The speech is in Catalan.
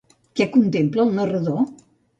Què contempla el narrador?